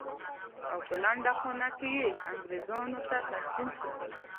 او په لنډۍ خانه کې یې انګرېزانو ته تسلیم کړل.